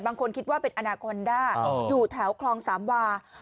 คิดว่าเป็นอนาคอนด้าอยู่แถวคลองสามวา